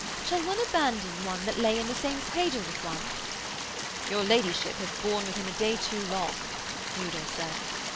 'Shall one abandon one that lay in the same cradle with one?' 'Your ladyship hath borne with him a day too long,' Udal said.